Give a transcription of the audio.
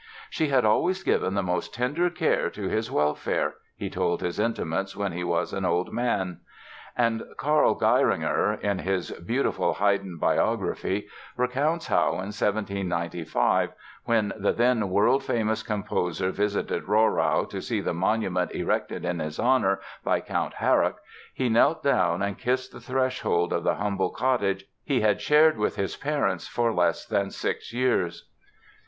"She had always given the most tender care to his welfare", he told his intimates when he was an old man. And Karl Geiringer, in his beautiful Haydn biography, recounts how, in 1795, "when the then world famous composer visited Rohrau to see the monument erected in his honor by Count Harrach, he knelt down and kissed the threshold of the humble cottage he had shared with his parents for less than six years."